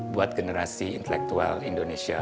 buat generasi intelektual indonesia